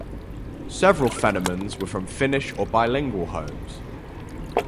Several Fennomans were from Finnish or bilingual homes.